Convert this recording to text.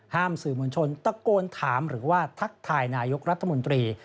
สื่อมวลชนตะโกนถามหรือว่าทักทายนายกรัฐมนตรี